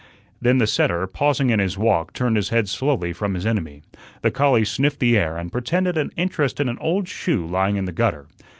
Then the setter, pausing in his walk, turned his head slowly from his enemy. The collie sniffed the air and pretended an interest in an old shoe lying in the gutter.